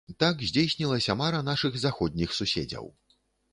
Так здзейснілася мара нашых заходніх суседзяў.